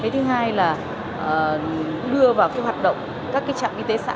thứ hai là đưa vào hoạt động các trạm y tế xã